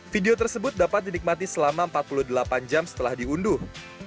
video tersebut dapat dinikmati selama empat puluh delapan jam setelah diunduh